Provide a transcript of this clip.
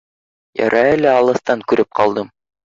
Ярай әле алыҫтан күреп ҡалдым.